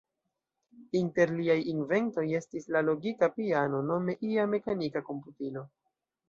Inter liaj inventoj estis la logika piano, nome ia mekanika komputilo.